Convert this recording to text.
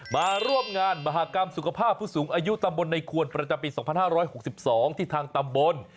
มาร่วมงานมหากรรมสุขภาพผู้สูงอายุตำบลในควรประจำปี๒๕๖๒ที่ทางตำบล